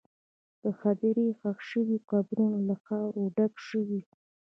د هدیرې ښخ شوي قبرونه له خاورو ډک شوي وو.